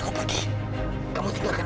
gua gua apa kan